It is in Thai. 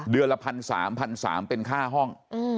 เดือนละพันสามพันสามเป็นค่าห้อง